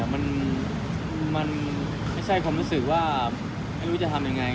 มันไม่ใช่เพราะรู้ว่าจะทำอย่างไร